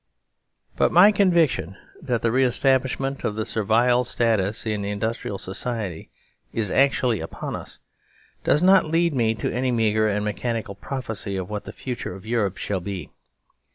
But my conviction that the re establishment of the Servile Status in industrial society is actually upon us does not lead me to any meagre and mechanical prophecy of what the future of Europe shall be.